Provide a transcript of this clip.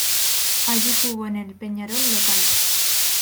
Allí jugó en el Peñarol local.